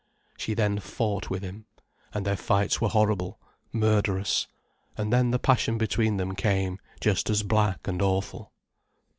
She then fought with him, and their fights were horrible, murderous. And then the passion between them came just as black and awful.